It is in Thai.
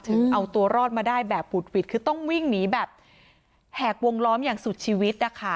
ถึงเอาตัวรอดมาได้แบบผุดหวิดคือต้องวิ่งหนีแบบแหกวงล้อมอย่างสุดชีวิตนะคะ